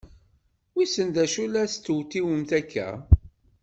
Wissen acu la testewtiwemt akka!